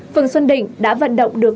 phường xuân đình đã vận động được